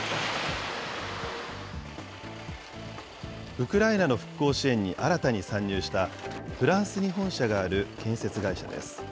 ウクライナの復興支援に、新たに参入した、フランスに本社がある建設会社です。